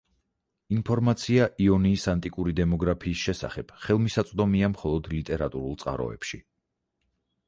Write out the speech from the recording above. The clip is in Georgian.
ინფორმაცია იონიის ანტიკური დემოგრაფიის შესახებ ხელმისაწვდომია მხოლოდ ლიტერატურულ წყაროებში.